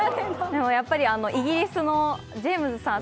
やっぱりイギリスのジェームズさん。